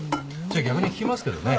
じゃあ逆に聞きますけどね。